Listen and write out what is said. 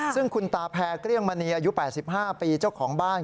ซึ่งคุณตาแพร่เกลี้ยงมณีอายุ๘๕ปีเจ้าของบ้าน